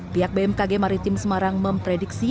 pihak bmkg maritim semarang memprediksi